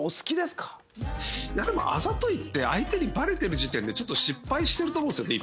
いやでもあざといって相手にバレてる時点でちょっと失敗してると思うんですよね